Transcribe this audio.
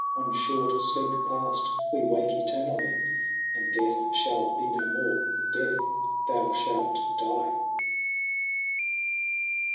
One fhort fleepe paft, wee wake eternally, And death fhall be no more ; death, thou fhalt die.